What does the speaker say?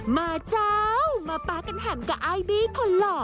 มาเจ้ามาป๊ากันแหม่มกับไอ้บี้คนหล่อ